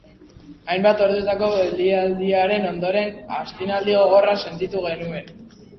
Hainbat ordutako geldialdiaren ondoren astinaldi gogorra sentitu genuen.